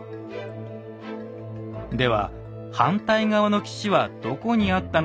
では反対側の岸はどこにあったのでしょうか？